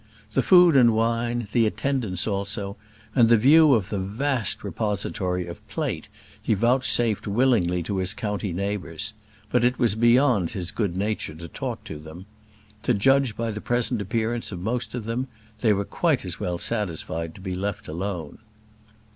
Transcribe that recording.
The food and wine, the attendance also, and the view of the vast repository of plate he vouchsafed willingly to his county neighbours; but it was beyond his good nature to talk to them. To judge by the present appearance of most of them, they were quite as well satisfied to be left alone.